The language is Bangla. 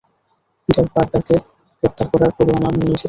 পিটার পার্কারকে গ্রেপ্তার করার পরোয়ানা নিয়ে এসেছি।